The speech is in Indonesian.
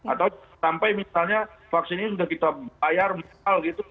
atau sampai misalnya vaksin ini sudah kita bayar mahal gitu